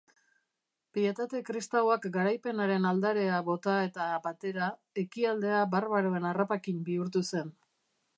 Pietate kristauak garaipenaren aldarea bota eta batera, Ekialdea barbaroen harrapakin bihurtu zen.